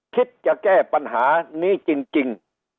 คิดจะแก้ปัญหานี้จริง